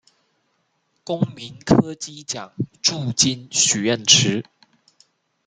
公民科技獎助金許願池